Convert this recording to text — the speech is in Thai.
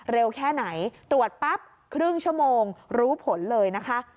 แค่ไหนตรวจปั๊บครึ่งชั่วโมงรู้ผลเลยนะคะ